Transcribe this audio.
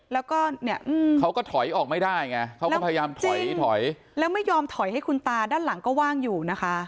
แล้วก็เนี่ยเขาก็ถอยออกไม่ได้ไงเขาก็พยายามถอยถอยแล้วไม่ยอมถอยให้คุณตาด้านหลังก็ว่างอยู่นะคะ